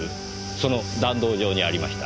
その弾道上にありました。